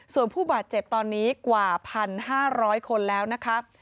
ส่วนผู้บาดเจ็บตอนนี้กว่า๑๕๐๐คนแล้วนะครับ